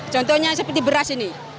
contohnya seperti beras ini